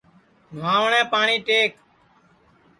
نہواٹؔے پاٹؔی ٹیک